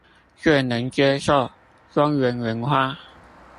最能接受中原文化